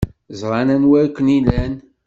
Ẓran anwa ay ken-ilan.